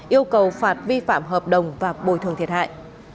yêu cầu phạt vi phạm hợp đồng và bồi thường thiệt hại